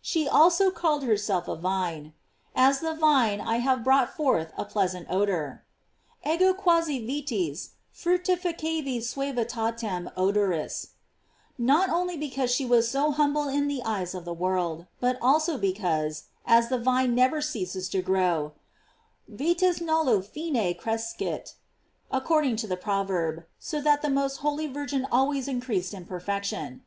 She also called herself a vine: As the vine I have brought forth a pleasant odor: "Ego quasi vitis fructifi cavi suavitatem odoris;"f not only because she was so humble in the eyes of the world, but also because, as the vine never ceases to grow: "Vitis nullo fine crescit:" according to the Proverb, so the most holy Virgin always increased in perfec tion.